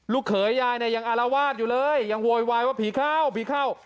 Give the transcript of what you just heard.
เขยยายเนี่ยยังอารวาสอยู่เลยยังโวยวายว่าผีเข้าผีเข้า